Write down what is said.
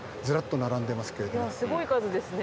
すごい数ですね。